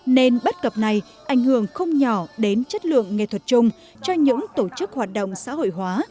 nên bất cập này ảnh hưởng không nhỏ đến chất lượng nghệ thuật chung cho những tổ chức hoạt động xã hội hóa